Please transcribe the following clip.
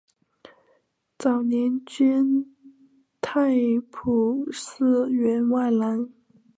早年捐太仆寺员外郎。